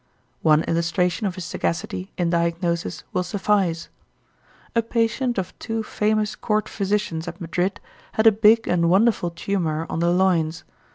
One illustration of his sagacity in diagnosis will suffice. A patient of two famous court physicians at Madrid had a big and wonderful tumour on the loins.